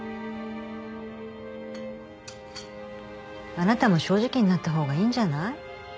あなたも正直になった方がいいんじゃない？